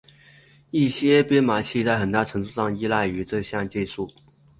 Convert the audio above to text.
一些编码器在很大程度上依赖于这项技术。